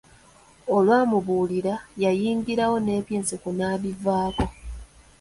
Olwamubuulira yanyigirawo ne eby'enseko n'abivaako.